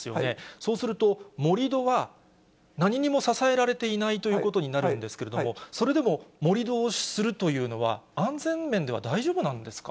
そうすると、盛り土は何にも支えられていないということになるんですけれども、それでも盛り土をするというのは、安全面では大丈夫なんですか？